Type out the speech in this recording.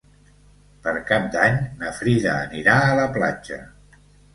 Per Cap d'Any na Frida anirà a la platja.